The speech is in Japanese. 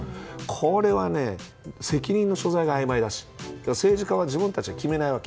これはね、責任の所在があいまいだし政治家は自分たちでは決めないわけ。